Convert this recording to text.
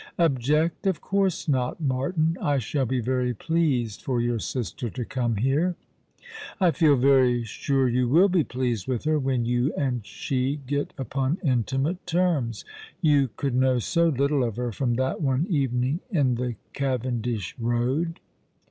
" Object ! Of course not, Martin. I shall be very pleased for your sister to come here." 104 ^^^ along the River, " I feci very sure you will be pleased with her v>'heu you and she get upon intimate terms. You could know so little of her from that one evening in the Cavendish Eoad."